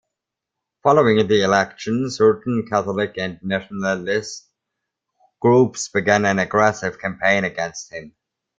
Following the election, certain Catholic and nationalist groups began an aggressive campaign against him.